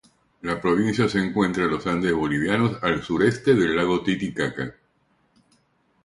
La provincia se encuentra en Los Andes bolivianos al sureste del lago Titicaca.